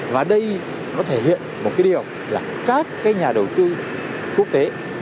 và đây nó thể hiện một cái điều là các cái nhà đầu tư quốc tế